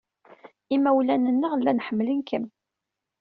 Imawlan-nneɣ llan ḥemmlen-kem.